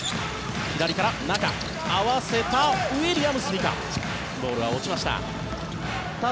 左から中合わせたウィリアムス・ニカボールは落ちました。